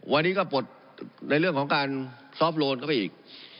วันนี้ก็ปลดในเรื่องของการซอฟต์โลนเข้าไปอีก